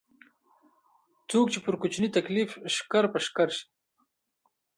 څوک چې پر کوچني تکليف ښکر په ښکر شي.